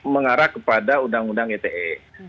mengarah kepada undang undang ite